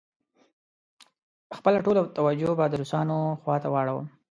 خپله ټوله توجه به د روسانو خواته واړوم.